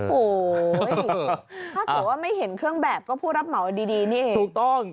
โอ้โหถ้าเกิดว่าไม่เห็นเครื่องแบบก็ผู้รับเหมาดีนี่เองถูกต้อง